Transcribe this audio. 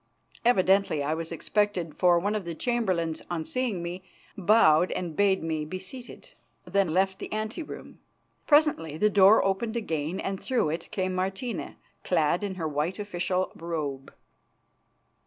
Evidently I was expected, for one of the chamberlains, on seeing me, bowed and bade me be seated, then left the ante room. Presently the door opened again, and through it came Martina, clad in her white official robe.